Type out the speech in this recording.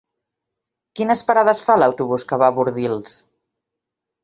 Quines parades fa l'autobús que va a Bordils?